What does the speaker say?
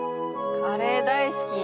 カレー大好き。